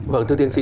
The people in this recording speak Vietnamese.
vâng thưa tiến sĩ